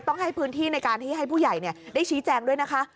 ต้องให้พื้นที่ในการที่ให้ผู้ใหญ่ได้ชี้แจงด้วยนะคะ